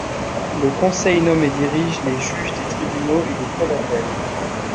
Le Conseil nomme et dirige les juges des tribunaux et des Cours d'appel.